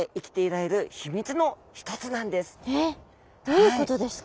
どういうことですか？